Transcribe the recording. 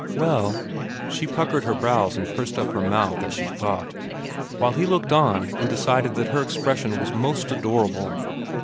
"Well—" She puckered her brows and pursed up her mouth as she thought, while he looked on and decided that her expression was most adorable.